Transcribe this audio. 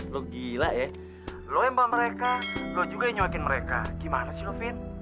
lo gila ya lo yang bawa mereka lo juga yang nyuakin mereka gimana sih lo vin